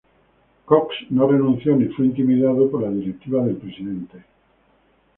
Cox no renunció ni fue intimidado por la directiva del presidente.